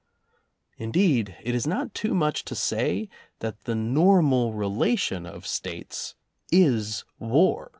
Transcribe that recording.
Indeed, it is not too much to say that the normal relation of States is war.